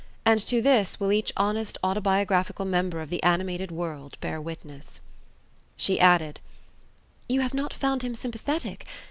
and to this will each honest autobiographical member of the animated world bear witness. She added: "You have not found him sympathetic?